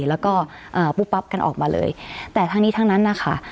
แล้วก็อ่าปุ๊บปั๊บกันออกมาเลยแต่ทั้งนี้ทั้งนั้นนะคะ